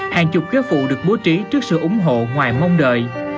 hàng chục ghép vụ được bố trí trước sự ủng hộ ngoài mong đợi